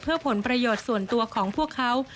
เพื่อผลประโยชน์ส่วนตัวของพวกเขา